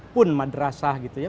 pun madrasah gitu ya